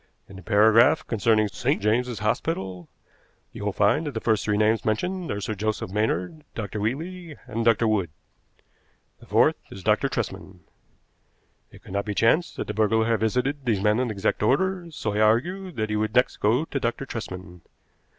In the paragraph concerning St. James's Hospital you will find that the first three names mentioned are Sir Joseph Maynard, Dr. Wheatley, and Dr. Wood. The fourth is Dr. Tresman. It could not be chance that the burglar had visited these men in exact order, so I argued that he would next go to Dr. Tresman.